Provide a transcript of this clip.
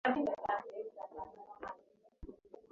waalimu na wataalamu wenye shahada katika somo